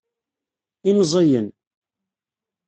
Imẓiyen.